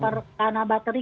kalau pneumonia karena bakteri